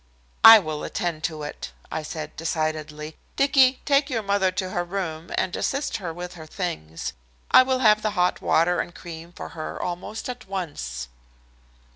"I will attend to it," I said decidedly "Dicky, take your mother to her room and assist her with her things. I will have the hot water and cream for her almost at once."